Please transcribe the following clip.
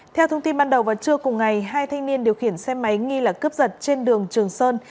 theo thông tin ban đầu vào trưa cùng ngày hai thanh niên điều khiển xe máy nghi là cướp giật trên đường trường sơn